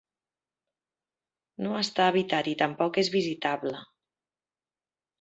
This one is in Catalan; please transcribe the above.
No està habitat i tampoc és visitable.